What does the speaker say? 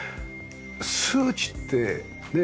数値ってねえ。